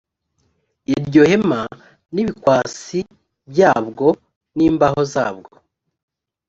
iryo hema n ibikwasi byabwo n imbaho zabwo